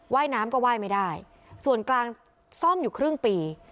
ยน้ำก็ไหว้ไม่ได้ส่วนกลางซ่อมอยู่ครึ่งปี